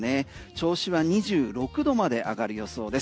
銚子は２６度まで上がる予想です。